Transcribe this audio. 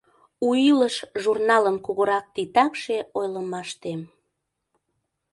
«У илыш» журналын кугурак титакше ойлымаштем.